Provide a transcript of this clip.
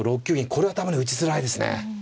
これは多分ね打ちづらいですね。